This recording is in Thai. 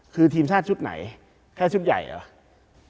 คือทีมชาติชุดไหนแค่ชุดใหญ่เหรอ